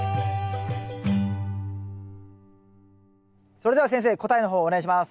それでは先生答えの方お願いします。